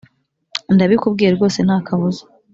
ndabikubwiye rwose ntakabuza